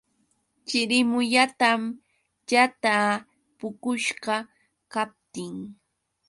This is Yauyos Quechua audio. Chirimuyatam yataa puqushqa kaptin.